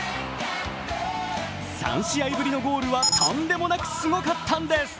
３試合ぶりのゴールはとんでもなくすごかったんです。